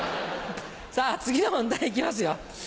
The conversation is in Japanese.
さぁ次の問題行きますよ。